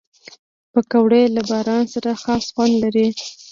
پکورې له باران سره خاص خوند لري